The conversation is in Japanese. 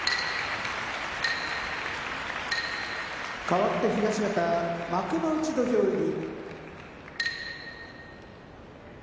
かわって東方幕内土俵入り。